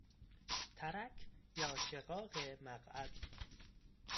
ترک یا شقاق مقعد